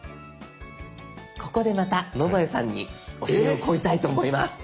ここでまた野添さんに教えを請いたいと思います。